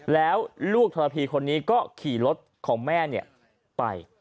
แล้วลูกธรพีคนนี้ก็ขี่รถของแม่ไป